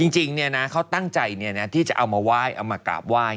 จริงเขาตั้งใจที่จะเอามาไหว้เอามากราบไหว้